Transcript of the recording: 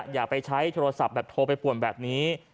อย่าไปใช้โทรศัพท์แบบโทรไปป่วนแบบนี้